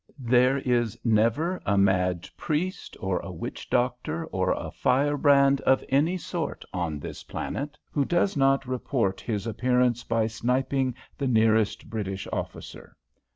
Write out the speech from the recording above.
There is never a mad priest or a witch doctor, or a firebrand of any sort on this planet, who does not report his appearance by sniping the nearest British officer.